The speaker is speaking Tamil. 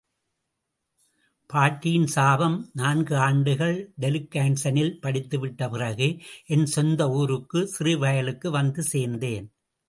பாட்டியின் சாபம் நான்கு ஆண்டுகள் டெலுக்கான்சனில் படித்துவிட்டு பிறகு, என் சொந்த ஊருக்கு சிறுவயலுக்கு வந்து சேர்ந்தேன்.